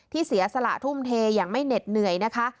เสียสละทุ่มเทอย่างไม่เหน็ดเหนื่อยนะคะ